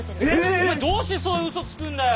お前どうしてそういうウソつくんだよ！